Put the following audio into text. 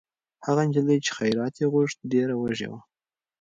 هغه نجلۍ چې خیرات یې غوښت، ډېره وږې وه.